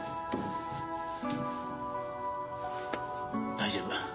大丈夫。